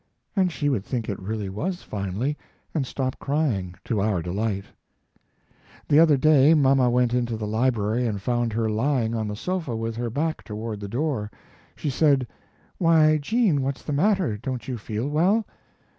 And she would think it realy was finally, and stop crying, to our delight. The other day mama went into the library and found her lying on the sofa with her back toward the door. She said, "Why, Jean, what's the matter? Don't you feel well?"